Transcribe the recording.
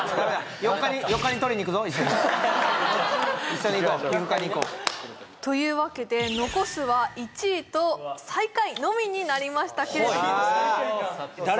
一緒に行こう皮膚科に行こうというわけで残すは１位と最下位のみになりましたけれども誰？